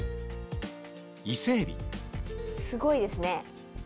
すごいですね。